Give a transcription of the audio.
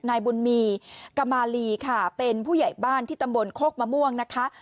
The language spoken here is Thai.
นายบุญมีกมาลีค่ะเป็นผู้ใหญ่บ้านที่ตำบลโคกมะม่วงนะคะ